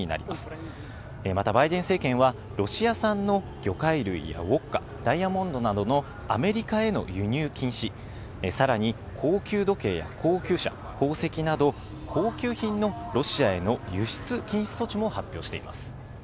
またバイデン政権は、ロシア産の魚介類やウォッカ、ダイヤモンドなどのアメリカへの輸入禁止、さらに、高級時計や高級車、宝石など、高級品のロシアへの輸出禁止措置も発表しています。